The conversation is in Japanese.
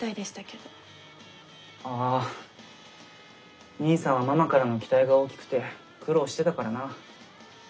ああ兄さんはママからの期待が大きくて苦労してたからな。